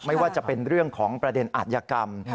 ไม่ว่าจะเป็นเรื่องของประเด็นอาจยกรรม